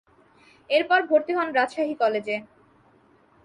এরপর ভর্তি হন রাজশাহী কলেজে।